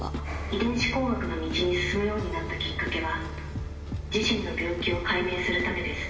遺伝子工学の道に進むようになったきっかけは自身の病気を解明するためです。